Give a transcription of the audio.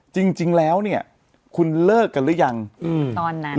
จริงแล้วเนี่ยคุณเลิกกันหรือยังตอนนั้น